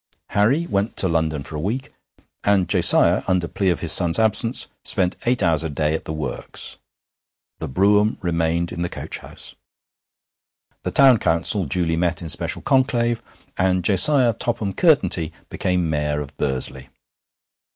Harry went to London for a week, and Josiah, under plea of his son's absence, spent eight hours a day at the works. The brougham remained in the coach house. The Town Council duly met in special conclave, and Josiah Topham Curtenty became Mayor of Bursley.